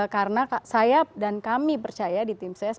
karena saya dan kami percaya di tim ses